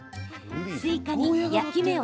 スイカに焼き目を